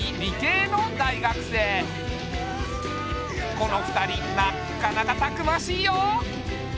この二人なっかなかたくましいよ。